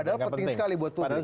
padahal penting sekali buat publik